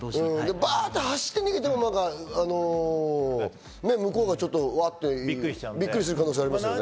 ばっと走って逃げても向こうがびっくりする可能性ありますね。